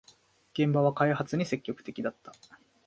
現場は開発に積極的だった